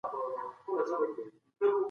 لوړ اهداف لرل انسان ته هڅه او هڅونې ورکوي.